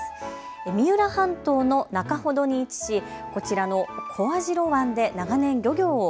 三浦半島の中ほどに位置しこちらの小網代湾で長年、漁業を